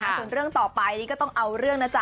ส่วนเรื่องต่อไปนี่ก็ต้องเอาเรื่องนะจ๊